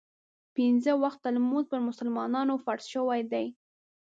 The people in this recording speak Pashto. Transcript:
پنځه وخته لمونځ پر مسلمانانو فرض شوی دی.